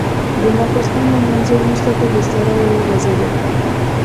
د ماخستن له لمانځه وروسته په بستره وغځېدم.